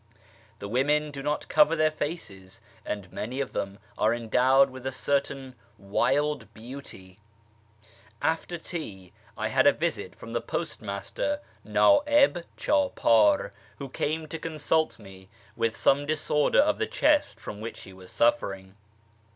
The women do not cover their faces, and many of them are endowed with a certain wild beauty. After tea I had a visit from the postmaster {nd'ib chdpdr), who came to consult me about some disorder of the chest from which he was suffering.